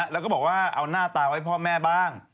แล้วก็บอกว่าเอาหน้าตาไว้พ่อแม่บ้าง